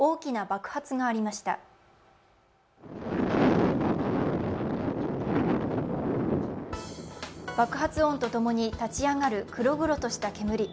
爆発音とともに立ち上がる黒々とした煙。